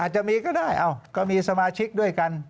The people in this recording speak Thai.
จะมีก็ได้ก็มีสมาชิกด้วยกัน